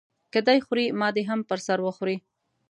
که دی خوري ما دې هم په سر وخوري.